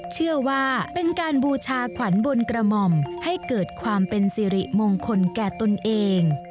เชื่อว่าเป็นการบูชาขวัญบนกระหม่อมให้เกิดความเป็นสิริมงคลแก่ตนเอง